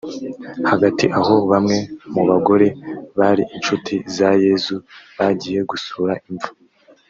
hagati aho bamwe mu bagore bari incuti za yezu bagiye gusura imva